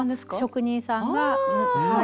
職人さんがはい。